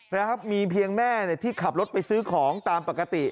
และมีเพียงแม่ที่ขับรถไปซื้อของตามปกติ